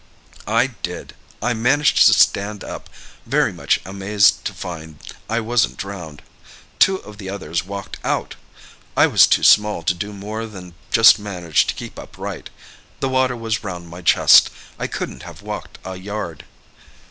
"I did. I managed to stand up, very much amazed to find I wasn't drowned. Two of the others walked out! I was too small to do more than just manage to keep upright. The water was round my chest. I couldn't have walked a yard."